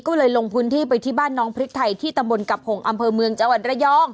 ก็เลยลงพื้นที่ไปที่บ้านน้องพริกไทยที่ตำบลกับหงอำเภอเมืองจังหวัดระยอง